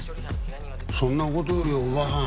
そんな事よりおばはん。